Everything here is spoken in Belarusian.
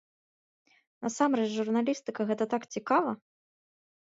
Насамрэч, журналістыка, гэта так цікава!